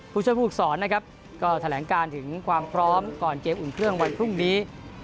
ผู้ช่วยผู้ฝึกศรนะครับก็แถลงการถึงความพร้อมก่อนเกมอุ่นเครื่องวันพรุ่งนี้